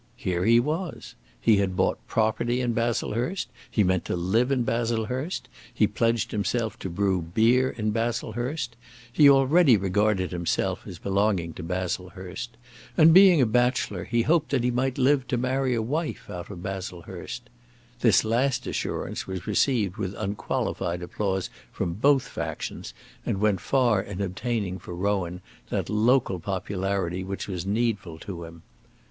Here he was. He had bought property in Baslehurst. He meant to live in Baslehurst. He pledged himself to brew beer in Baslehurst. He already regarded himself as belonging to Baslehurst. And, being a bachelor, he hoped that he might live to marry a wife out of Baslehurst. This last assurance was received with unqualified applause from both factions, and went far in obtaining for Rowan that local popularity which was needful to him.